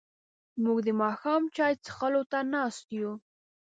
موږ د ماښام چای څښلو ته ناست یو.